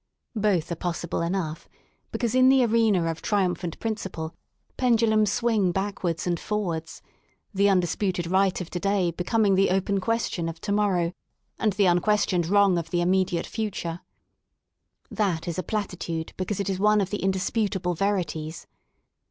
Both are possible enoug;li, because in the arena of Triumphant Principle pendulums swing backwards and ibn^^ards: the undis puted rightof to day becomin>( the open question of to morrow, and the unquestioned wrong of the immediate future. That is a plati tude because St is one of the indisputable verities.